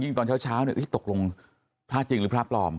ตอนเช้าตกลงพระจริงหรือพระปลอม